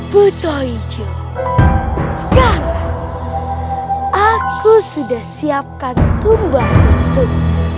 puto ijo sekarang aku sudah siapkan tumbang untukmu